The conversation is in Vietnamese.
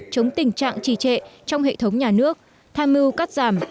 chống tình trạng trì trệ trong hệ thống nhà nước tham mưu cắt giảm